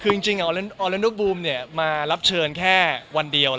คือจริงออเลนเดอร์บูมมารับเชิญแค่วันเดียว